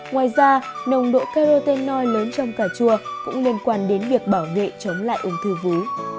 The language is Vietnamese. ngoài ra nồng độ carrotenoi lớn trong cà chua cũng liên quan đến việc bảo vệ chống lại ung thư vú